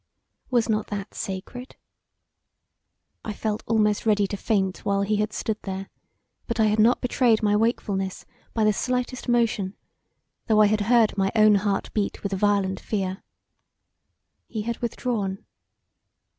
Was not that sacred? I felt almost ready to faint while he had stood there, but I had not betrayed my wakefulness by the slightest motion, although I had heard my own heart beat with violent fear. He had withdrawn.